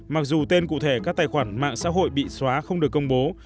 mặc dù tên cụ thể các tài khoản mạng xã hội bị xóa không được công bố